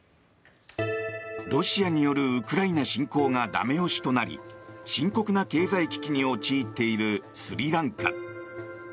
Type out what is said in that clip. ロシアによるウクライナ侵攻が駄目押しとなり深刻な経済危機に陥っているスリランカ。